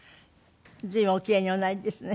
随分お奇麗におなりですね。